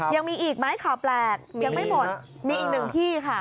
ยังมีอีกไหมข่าวแปลกยังไม่หมดมีอีกหนึ่งที่ค่ะ